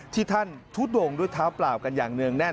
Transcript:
ที่ท่านทุดงด้วยเท้าเปล่ากันอย่างเนื่องแน่น